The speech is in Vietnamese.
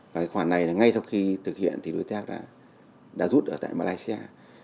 và cái khoản này là ngay sau khi thực hiện thì đối tác đã rút ở tại malaysia